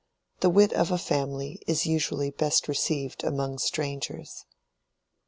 The wit of a family is usually best received among strangers.